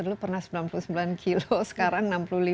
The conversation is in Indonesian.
dulu pernah sembilan puluh sembilan kilo sekarang enam puluh lima